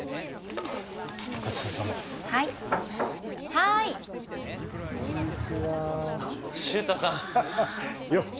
ごちそうさまはいはーいこんにちは秀太さんハハッよう！